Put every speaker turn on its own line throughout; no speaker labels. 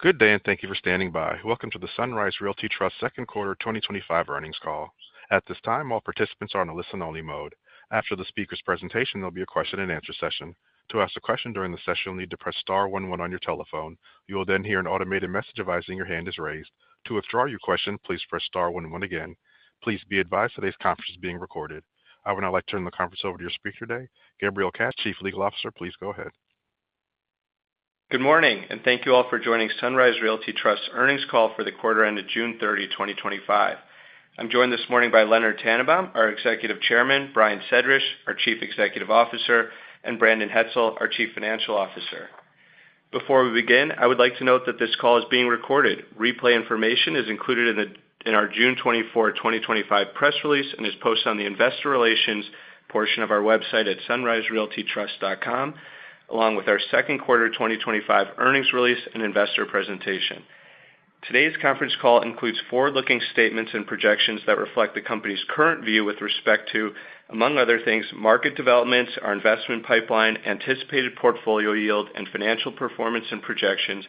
Good day and thank you for standing by. Welcome to the Sunrise Realty Trust Second Quarter 2025 Earnings Call. At this time, all participants are in a listen-only mode. After the speaker's presentation, there will be a question and answer session. To ask a question during the session, you'll need to press star one one on your telephone. You will then hear an automated message advising your hand is raised. To withdraw your question, please press star one one again. Please be advised today's conference is being recorded. I would now like to turn the conference over to your speaker today, Gabriel Katz, Chief Legal Officer. Please go ahead.
Good morning and thank you all for joining Sunrise Realty Trust's earnings call for the quarter ended June 30, 2025. I'm joined this morning by Leonard Tannenbaum, our Executive Chairman, Brian Sedrish, our Chief Executive Officer, and Brandon Hetzel, our Chief Financial Officer. Before we begin, I would like to note that this call is being recorded. Replay information is included in our June 24, 2025 press release and is posted on the investor relations portion of our website at sunriserealtytrust.com, along with our second quarter 2025 earnings release and investor presentation. Today's conference call includes forward-looking statements and projections that reflect the company's current view with respect to, among other things, market developments, our investment pipeline, anticipated portfolio yield, and financial performance and projections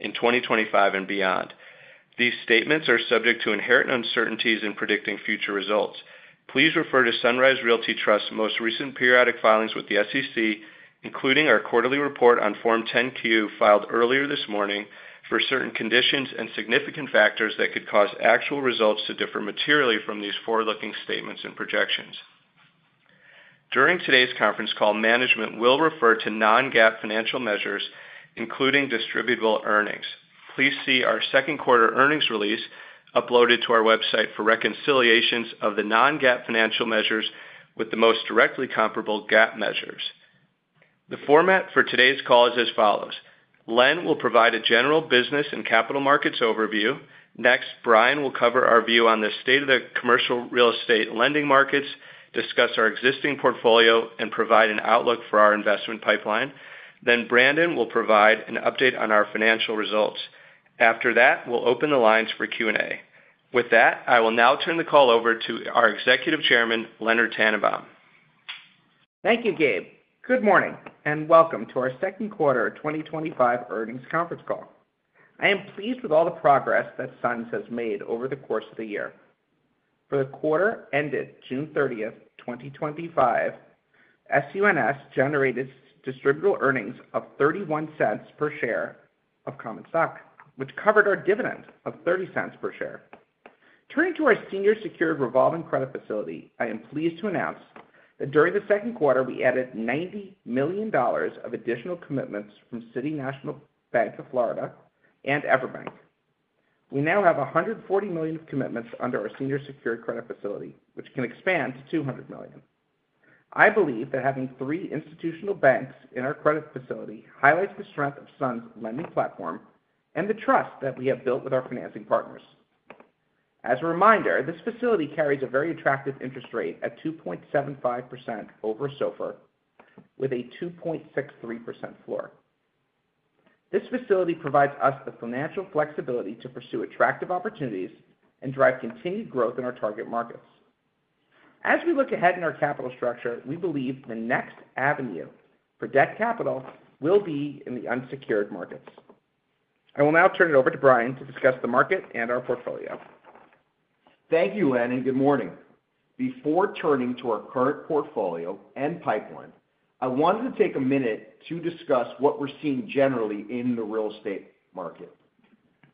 in 2025 and beyond. These statements are subject to inherent uncertainties in predicting future results. Please refer to Sunrise Realty Trust's most recent periodic filings with the SEC, including our quarterly report on Form 10-Q filed earlier this morning, for certain conditions and significant factors that could cause actual results to differ materially from these forward-looking statements and projections. During today's conference call, management will refer to non-GAAP financial measures, including distributable earnings. Please see our second quarter earnings release uploaded to our website for reconciliations of the non-GAAP financial measures with the most directly comparable GAAP measures. The format for today's call is as follows: Len will provide a general business and capital markets overview. Next, Brian will cover our view on the state of the commercial real estate lending markets, discuss our existing portfolio, and provide an outlook for our investment pipeline. Brandon will provide an update on our financial results. After that, we'll open the lines for Q&A. With that, I will now turn the call over to our Executive Chairman, Leonard Tannenbaum.
Thank you, Gabe. Good morning and welcome to our second quarter 2025 earnings conference call. I am pleased with all the progress that Suns has made over the course of the year. For the quarter ended June 30, 2025, SUNS generated distributable earnings of $0.31 per share of common stock, which covered our dividend of $0.30 per share. Turning to our senior secured revolving credit facility, I am pleased to announce that during the second quarter, we added $90 million of additional commitments from City National Bank of Florida and EverBank. We now have $140 million of commitments under our senior secured credit facility, which can expand to $200 million. I believe that having three institutional banks in our credit facility highlights the strength of Suns lending platform and the trust that we have built with our financing partners. As a reminder, this facility carries a very attractive interest rate at 2.75% over SOFR, with a 2.63% floor. This facility provides us the financial flexibility to pursue attractive opportunities and drive continued growth in our target markets. As we look ahead in our capital structure, we believe the next avenue for debt capital will be in the unsecured markets. I will now turn it over to Brian to discuss the market and our portfolio.
Thank you, Len, and good morning. Before turning to our current portfolio and pipeline, I wanted to take a minute to discuss what we're seeing generally in the real estate market.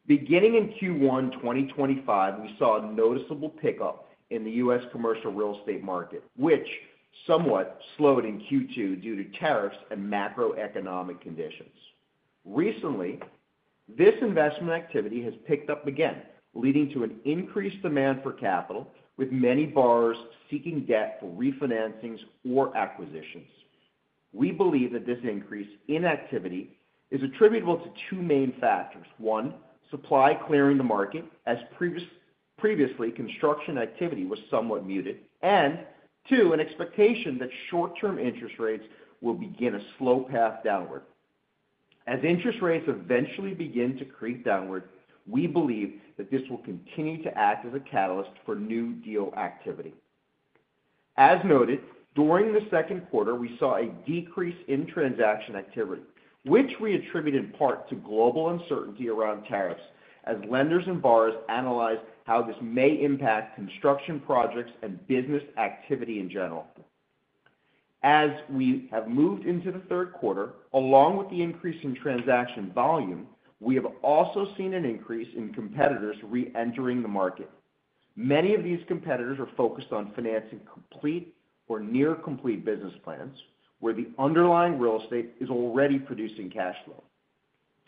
Beginning in Q1 2025, we saw a noticeable pickup in the U.S. commercial real estate market, which somewhat slowed in Q2 due to tariffs and macroeconomic conditions. Recently, this investment activity has picked up again, leading to an increased demand for capital, with many buyers seeking debt for refinancings or acquisitions. We believe that this increase in activity is attributable to two main factors: one, supply clearing the market, as previously construction activity was somewhat muted, and two, an expectation that short-term interest rates will begin a slow path downward. As interest rates eventually begin to creep downward, we believe that this will continue to act as a catalyst for new deal activity. As noted, during the second quarter, we saw a decrease in transaction activity, which we attribute in part to global uncertainty around tariffs, as lenders and buyers analyze how this may impact construction projects and business activity in general. As we have moved into the third quarter, along with the increase in transaction volume, we have also seen an increase in competitors re-entering the market. Many of these competitors are focused on financing complete or near-complete business plans, where the underlying real estate is already producing cash flow.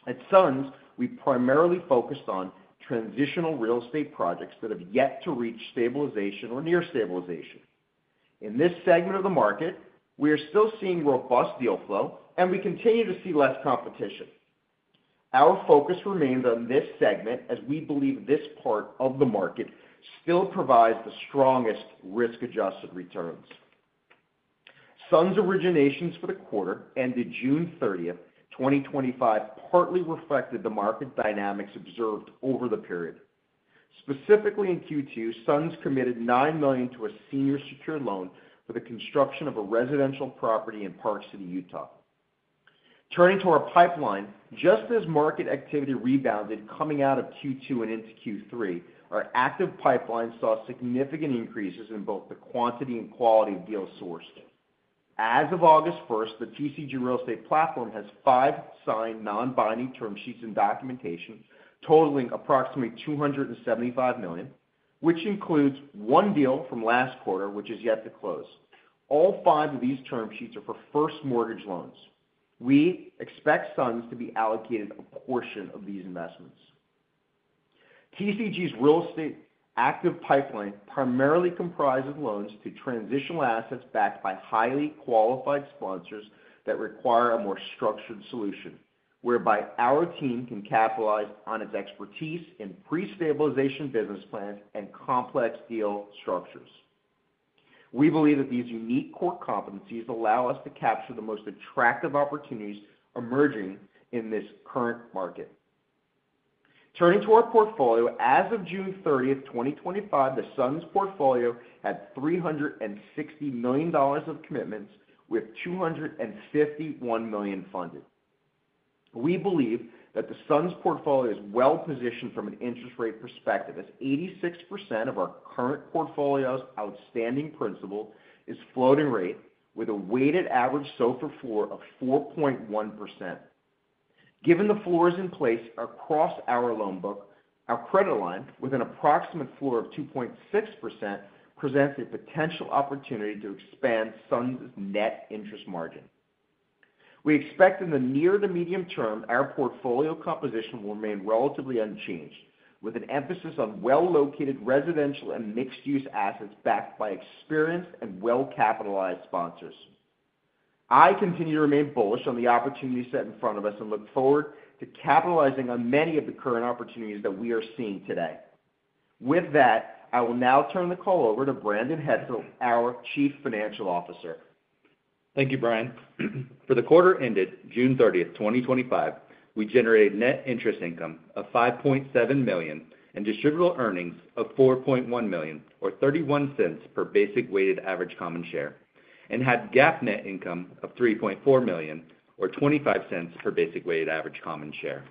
At Suns, we primarily focused on transitional real estate projects that have yet to reach stabilization or near stabilization. In this segment of the market, we are still seeing robust deal flow, and we continue to see less competition. Our focus remains on this segment, as we believe this part of the market still provides the strongest risk-adjusted returns. Suns originations for the quarter ended June 30, 2025, partly reflected the market dynamics observed over the period. Specifically, in Q2, Suns committed $9 million to a senior secured loan for the construction of a residential property in Park City, Utah. Turning to our pipeline, just as market activity rebounded coming out of Q2 and into Q3, our active pipeline saw significant increases in both the quantity and quality of deals sourced. As of August 1, the TCG Real Estate Platform has five signed non-binding term sheets and documentation totaling approximately $275 million, which includes one deal from last quarter which is yet to close. All five of these term sheets are for first mortgage loans. We expect Suns to be allocated a portion of these investments. TCG Real Estate Platform's active pipeline primarily comprises loans to transitional assets backed by highly qualified sponsors that require a more structured solution, whereby our team can capitalize on its expertise in pre-stabilization business plans and complex deal structures. We believe that these unique core competencies allow us to capture the most attractive opportunities emerging in this current market. Turning to our portfolio, as of June 30, 2025, the Suns portfolio had $360 million of commitments, with $251 million funded. We believe that the Sunsportfolio is well positioned from an interest rate perspective, as 86% of our current portfolio's outstanding principal is floating rate, with a weighted average SOFR floor of 4.1%. Given the floors in place across our loan book, our credit line, with an approximate floor of 2.6%, presents a potential opportunity to expand Suns net interest margin. We expect in the near to medium term, our portfolio composition will remain relatively unchanged, with an emphasis on well-located residential and mixed-use assets backed by experienced and well-capitalized sponsors. I continue to remain bullish on the opportunities set in front of us and look forward to capitalizing on many of the current opportunities that we are seeing today. With that, I will now turn the call over to Brandon Hetzel, our Chief Financial Officer.
Thank you, Brian. For the quarter ended June 30, 2025, we generated net interest income of $5.7 million and distributable earnings of $4.1 million, or $0.31 per basic weighted average common share, and had GAAP net income of $3.4 million, or $0.25 per basic weighted average common share.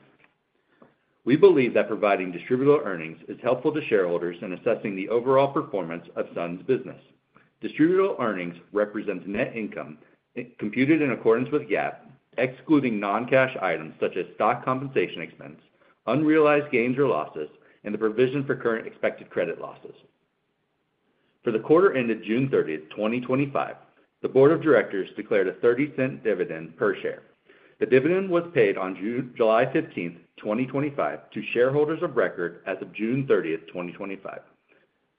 We believe that providing distributable earnings is helpful to shareholders in assessing the overall performance of Sunrs business. Distributable earnings represent net income computed in accordance with GAAP, excluding non-cash items such as stock compensation expense, unrealized gains or losses, and the provision for current expected credit losses. For the quarter ended June 30, 2025, the Board of Directors declared a $0.30 dividend per share. The dividend was paid on July 15, 2025, to shareholders of record as of June 30, 2025.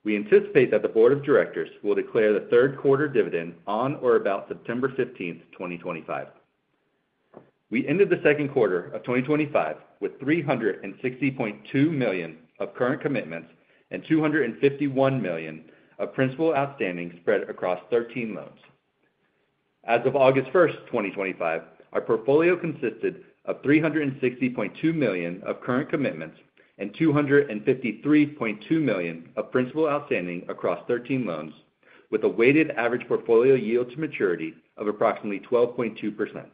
We anticipate that the Board of Directors will declare the third quarter dividend on or about September 15, 2025. We ended the second quarter of 2025 with $360.2 million of current commitments and $251 million of principal outstanding spread across 13 loans. As of August 1st, 2025, our portfolio consisted of $360.2 million of current commitments and $253.2 million of principal outstanding across 13 loans, with a weighted average portfolio yield to maturity of approximately 12.2%.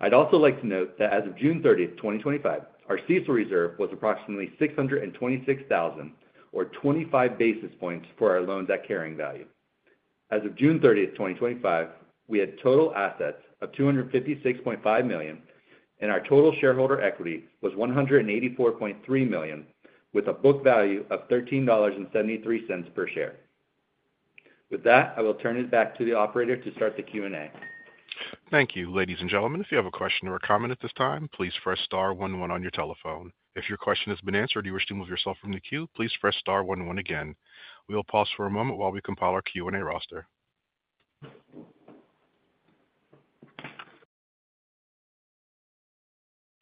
I'd also like to note that as of June 30, 2025, our CECL reserve was approximately $626,000, or 25 basis points for our loans at carrying value. As of June 30, 2025, we had total assets of $256.5 million, and our total shareholder equity was $184.3 million, with a book value of $13.73 per share. With that, I will turn it back to the operator to start the Q&A.
Thank you, ladies and gentlemen. If you have a question or a comment at this time, please press star one one on your telephone. If your question has been answered and you wish to move yourself from the queue, please press star one one again. We will pause for a moment while we compile our Q&A roster.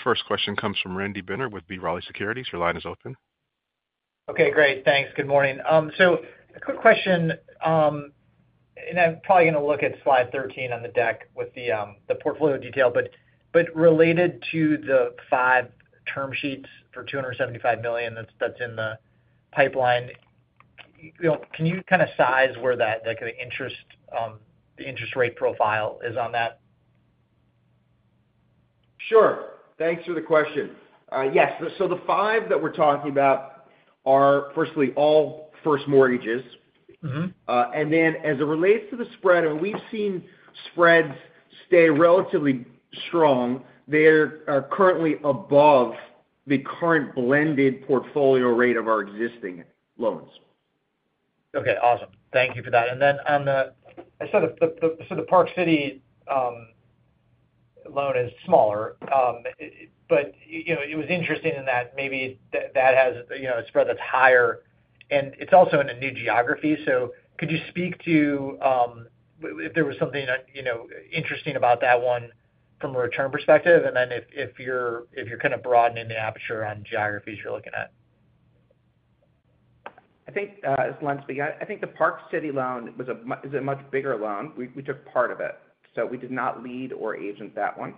First question comes from Randy Binner with B. Riley Securities. Your line is open.
Okay, great. Thanks. Good morning. A quick question, and I'm probably going to look at slide 13 on the deck with the portfolio detail, but related to the five term sheets for $275 million that's in the pipeline, can you kind of size where the interest rate profile is on that?
Sure. Thanks for the question. Yes, the five that we're talking about are all first mortgages. As it relates to the spread, we've seen spreads stay relatively strong. They are currently above the current blended portfolio rate of our existing loans.
Okay, awesome. Thank you for that. On the Park City, loan, it is smaller, but it was interesting in that maybe that has a spread that's higher, and it's also in a new geography. Could you speak to if there was something interesting about that one from a return perspective? If you're kind of broadening the aperture on geographies you're looking at.
I think, as Lenn speaking, I think the Park City loan is a much bigger loan. We took part of it. We did not lead or agent that one,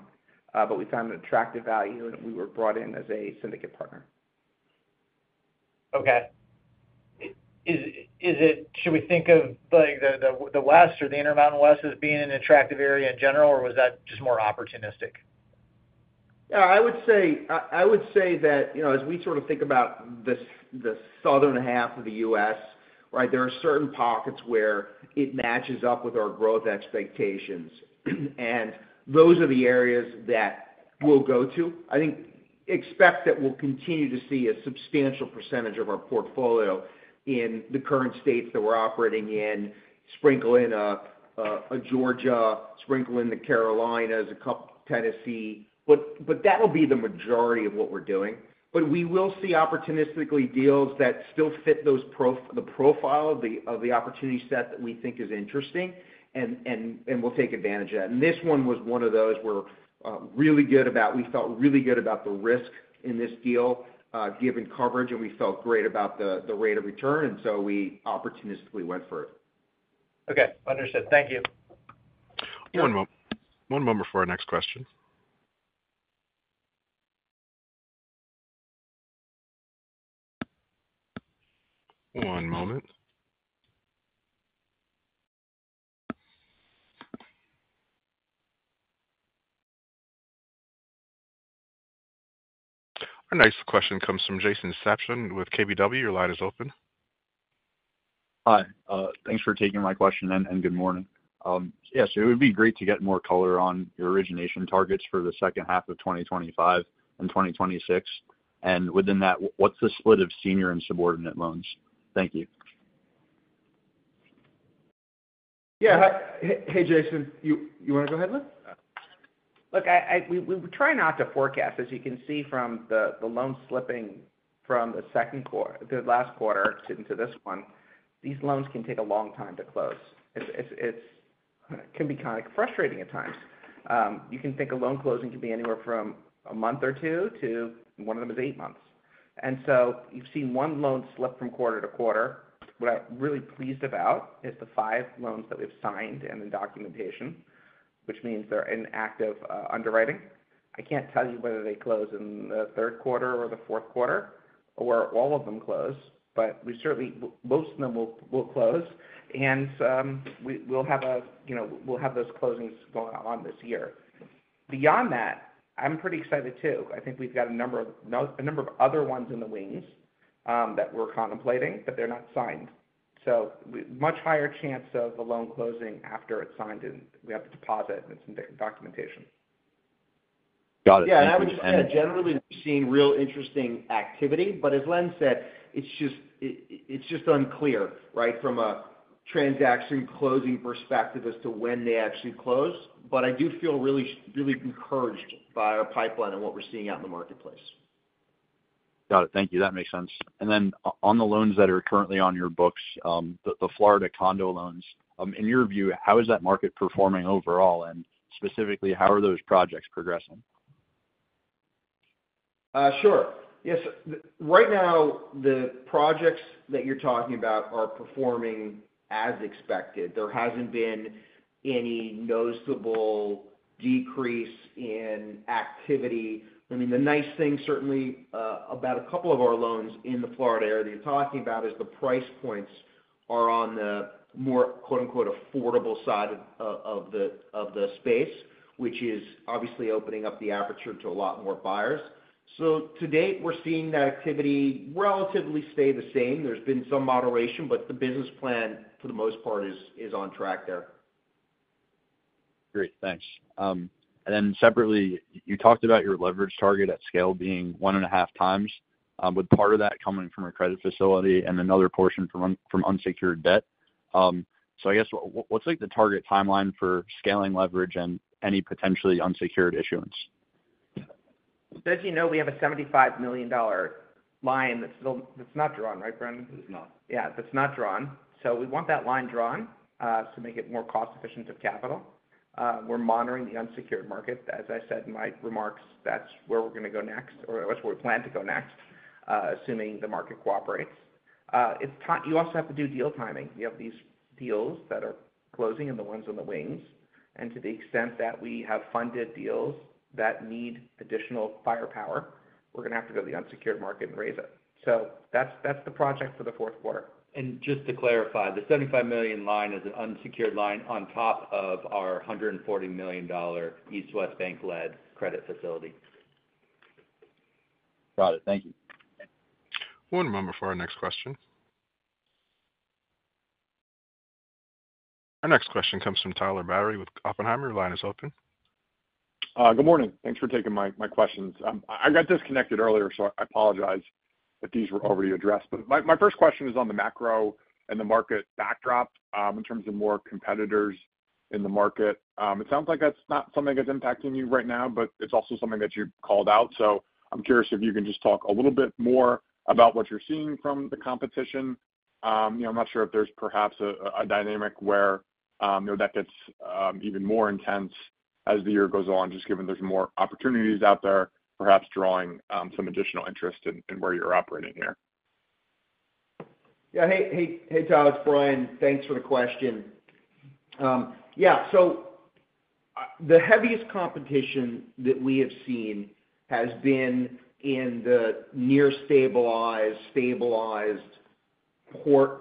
but we found an attractive value, and we were brought in as a syndicate partner.
Okay. Should we think of like the West or the Intermountain West as being an attractive area in general, or was that just more opportunistic?
I would say that, as we sort of think about the southern half of the U.S., there are certain pockets where it matches up with our growth expectations, and those are the areas that we'll go to. I think expect that we'll continue to see a substantial percentage of our portfolio in the current states that we're operating in, sprinkle in a Georgia, sprinkle in the Carolinas, a couple of Tennessee, but that'll be the majority of what we're doing. We will see opportunistically deals that still fit the profile of the opportunity set that we think is interesting, and we'll take advantage of that. This one was one of those where we felt really good about the risk in this deal, given coverage, and we felt great about the rate of return, and we opportunistically went for it.
Okay, understood. Thank you.
One moment for our next question. Our next question comes from Jason Sapson with KBW. Your line is open.
Hi, thanks for taking my question and good morning. Yes, it would be great to get more color on your origination targets for the second half of 2025 and 2026, and within that, what's the split of senior and subordinate loans? Thank you.
Yeah, hey Jason, you want to go ahead, Leon?
Look, we try not to forecast, as you can see from the loan slipping from the second quarter, the last quarter to this one. These loans can take a long time to close. It can be kind of frustrating at times. You can think a loan closing can be anywhere from a month or two to one of them is eight months. You have seen one loan slip from quarter to quarter. What I'm really pleased about is the five loans that we've signed and in documentation, which means they're in active underwriting. I can't tell you whether they close in the third quarter or the fourth quarter, or all of them close, but we certainly, most of them will close, and we'll have those closings going on this year. Beyond that, I'm pretty excited too. I think we've got a number of other ones in the wings that we're contemplating, but they're not signed. Much higher chance of a loan closing after it's signed and we have the deposit and some documentation.
Yeah, I would just add generally that we've seen real interesting activity. As Lenn said, it's just unclear, right, from a transaction closing perspective as to when they actually close. I do feel really, really encouraged by our pipeline and what we're seeing out in the marketplace.
Got it. Thank you. That makes sense. On the loans that are currently on your books, the Florida condo loans, in your view, how is that market performing overall, and specifically, how are those projects progressing?
Sure. Yes, right now, the projects that you're talking about are performing as expected. There hasn't been any noticeable decrease in activity. The nice thing certainly about a couple of our loans in the Florida area that you're talking about is the price points are on the more "affordable" side of the space, which is obviously opening up the aperture to a lot more buyers. To date, we're seeing that activity relatively stay the same. There's been some moderation, but the business plan for the most part is on track there.
Great, thanks. Separately, you talked about your leverage target at scale being 1.5x, with part of that coming from a credit facility and another portion from unsecured debt. I guess, what's the target timeline for scaling leverage and any potentially unsecured issuance?
As you know, we have a $75 million line that's not drawn, right, Brian? Yeah, that's not drawn. We want that line drawn to make it more cost-efficient of capital. We're monitoring the unsecured market. As I said in my remarks, that's where we're going to go next, or that's where we plan to go next, assuming the market cooperates. You also have to do deal timing. You have these deals that are closing and the ones in the wings, and to the extent that we have funded deals that need additional firepower, we're going to have to go to the unsecured market and raise it. That's the project for the fourth quarter.
Just to clarify, the $75 million line is an unsecured line on top of our $140 million East West Bank-led credit facility.
Got it. Thank you.
One moment for our next question. Our next question comes from Tyler Batory with Oppenheimer & Co. Line is open.
Good morning. Thanks for taking my questions. I got disconnected earlier, so I apologize if these were overly addressed. My first question is on the macro and the market backdrop in terms of more competitors in the market. It sounds like that's not something that's impacting you right now, but it's also something that you called out. I'm curious if you can just talk a little bit more about what you're seeing from the competition. I'm not sure if there's perhaps a dynamic where that gets even more intense as the year goes on, just given there's more opportunities out there, perhaps drawing some additional interest in where you're operating here.
Yeah, hey Batory, thanks for the question. The heaviest competition that we have seen has been in the near-stabilized, stabilized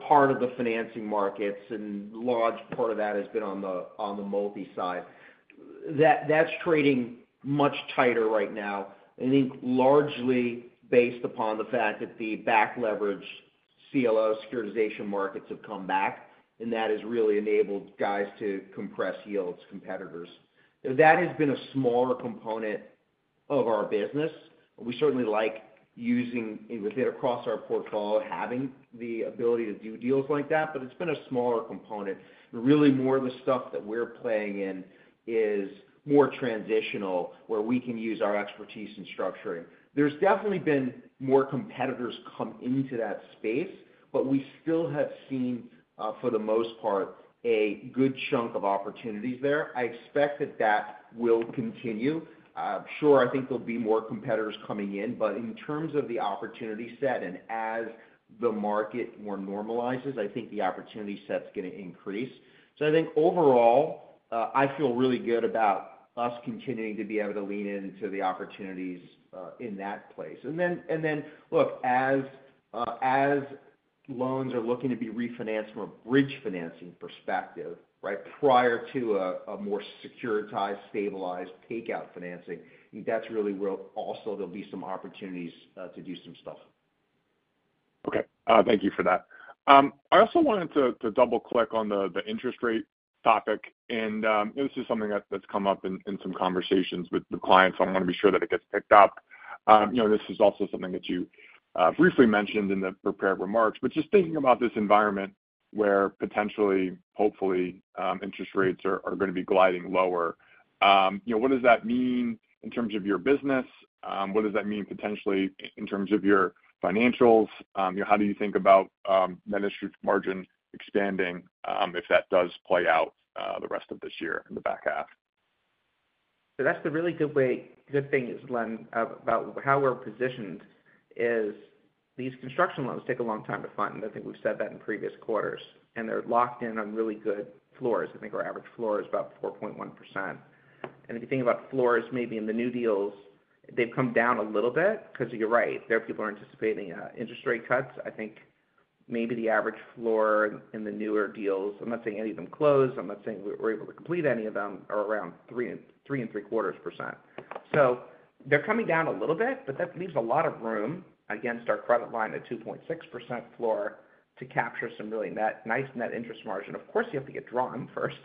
part of the financing markets, and a large part of that has been on the multi-side. That's trading much tighter right now. I think largely based upon the fact that the back-leveraged CLO securitization markets have come back, and that has really enabled guys to compress yields to competitors. That has been a smaller component of our business. We certainly like using it across our portfolio, having the ability to do deals like that, but it's been a smaller component. Really, more of the stuff that we're playing in is more transitional, where we can use our expertise in structuring. There's definitely been more competitors come into that space, but we still have seen, for the most part, a good chunk of opportunities there. I expect that will continue. I think there'll be more competitors coming in, but in terms of the opportunity set, and as the market more normalizes, I think the opportunity set's going to increase. I think overall, I feel really good about us continuing to be able to lean into the opportunities in that place. Look, as loans are looking to be refinanced from a bridge financing perspective, right, prior to a more securitized, stabilized takeout financing, I think that's really where also there'll be some opportunities to do some stuff.
Okay, thank you for that. I also wanted to double-click on the interest rate topic, and this is something that's come up in some conversations with the clients, so I want to be sure that it gets picked up. This is also something that you briefly mentioned in the prepared remarks, but just thinking about this environment where potentially, hopefully, interest rates are going to be gliding lower. What does that mean in terms of your business? What does that mean potentially in terms of your financials? How do you think about that interest rate margin expanding if that does play out the rest of this year in the back half?
That's the really good way, good thing is, Len, about how we're positioned is these construction loans take a long time to fund. I think we've said that in previous quarters, and they're locked in on really good floors. I think our average floor is about 4.1%. If you think about floors maybe in the new deals, they've come down a little bit because you're right, there are people anticipating interest rate cuts. I think maybe the average floor in the newer deals, I'm not saying any of them close, I'm not saying we're able to complete any of them, are around 3.75%. They're coming down a little bit, but that leaves a lot of room, again, credit line, a 2.6% floor to capture some really nice net interest margin. Of course, you have to get drawn first,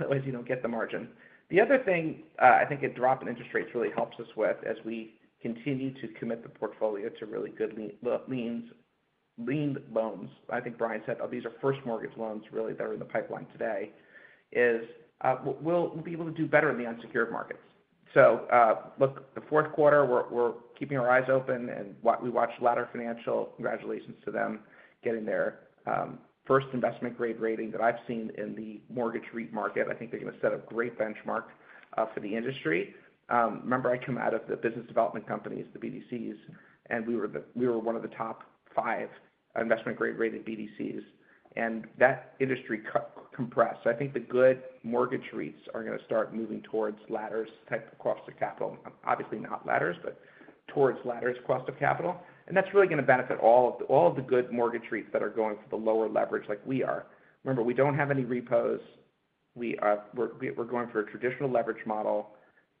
otherwise you don't get the margin. The other thing I think a drop in interest rates really helps us with as we continue to commit the portfolio to really good liened loans. I think Brian said these are first mortgage loans really that are in the pipeline today is we'll be able to do better in the unsecured markets. The fourth quarter, we're keeping our eyes open and we watched Ladder Financial. Congratulations to them getting their first investment grade rating that I've seen in the mortgage REIT market. I think they're going to set a great benchmark for the industry. Remember, I come out of the business development companies, the BDCs, and we were one of the top five investment grade rated BDCs, and that industry compressed. I think the good mortgage REITs are going to start moving towards Ladder's type of cost of capital. Obviously not Ladder's, but towards Ladder's cost of capital, and that's really going to benefit all of the good mortgage REITs that are going for the lower leverage like we are. Remember, we don't have any repos. We're going for a traditional leverage model.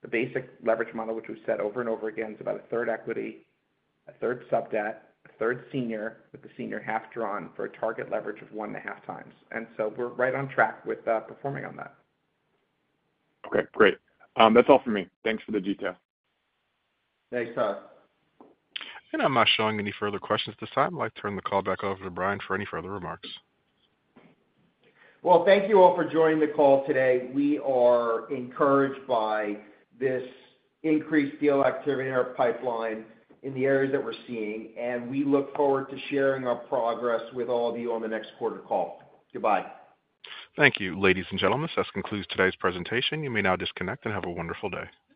The basic leverage model, which we've said over and over again, is about a third equity, a third sub debt, a third senior, with the senior half drawn for a target leverage of 1.5 times. We're right on track with performing on that.
Okay, great. That's all for me. Thanks for the detail.
Thanks, Thomas.
I'm not showing any further questions at this time. I'd like to turn the call back over to Brian for any further remarks.
Thank you all for joining the call today. We are encouraged by this increased deal activity in our pipeline in the areas that we're seeing, and we look forward to sharing our progress with all of you on the next quarter call. Goodbye.
Thank you, ladies and gentlemen. This concludes today's presentation. You may now disconnect and have a wonderful day.